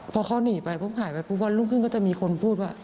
พอเขาหนีไปพรุ่งหายไปพรุ่งขึ้นก็จะมีคนพูดว่า